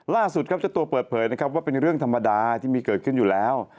ล่าสุดครับเจ้าตัวเปิดเผยนะครับว่าเป็นเรื่องธรรมดาที่มีเกิดขึ้นอยู่แล้ว